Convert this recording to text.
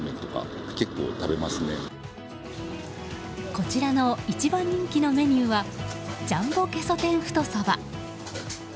こちらの一番人気のメニューはジャンボゲソ天太そば。